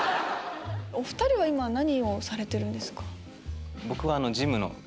お２人は今何をされてるんですか？